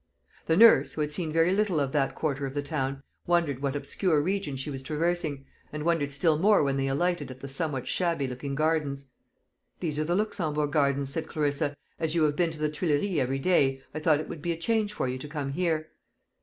The nurse, who had seen very little of that quarter of the town, wondered what obscure region she was traversing, and wondered still more when they alighted at the somewhat shabby looking gardens. "These are the Luxembourg Gardens," said Clarissa. "As you have been to the Tuileries every day, I thought it would be a change for you to come here."